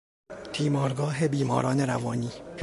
تیمارگاه بیماران روانی